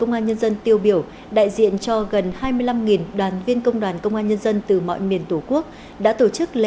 và những người thi đua là những người yêu nước nhất